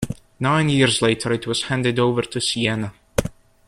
Nine years later it was handed over to Siena.